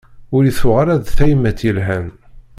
Ur yi-tuɣ ara d tayemmat yelhan.